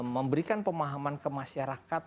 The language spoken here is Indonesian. memberikan pemahaman ke masyarakat